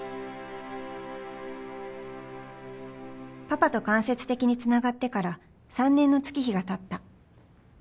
パパと間接的につながってから３年の月日がたった